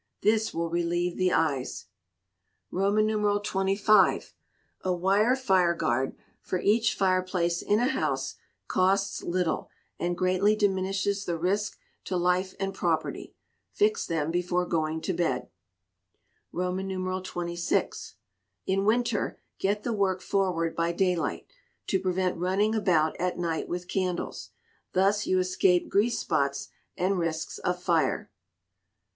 This will relieve the eyes. xxv. A wire fire guard, for each fire place in a house, costs little, and greatly diminishes the risk to life and property. Fix them before going to bed. xxvi. In winter, get the work forward by daylight, to prevent running about at night with candles. Thus you escape grease spots, and risks of fire.